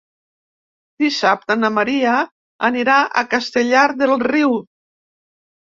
Dissabte na Maria anirà a Castellar del Riu.